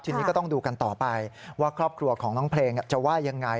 ทีนี้ก็ต้องดูกันต่อไปว่าครอบครัวของน้องเพลงจะว่ายังไง